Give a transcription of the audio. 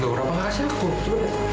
gak berapa gak hasil kok